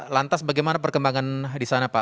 lantas bagaimana perkembangan di sana pak